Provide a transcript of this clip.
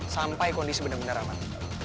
sampai kondisi bener bener aman